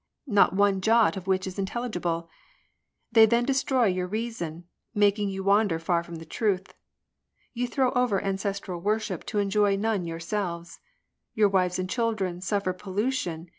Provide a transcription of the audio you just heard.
Not one jot of which is intelligible ; Then they destroy your reason. Making you wander far from the truth. You throw over ancestral worship to enjoy none yourselves ; Your wives and children suffer pollution.